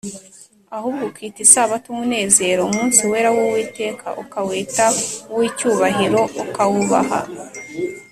ahubwo ukita isabato umunezero, umunsi wera w’uwiteka ukawita uw’icyubahiro ukawubah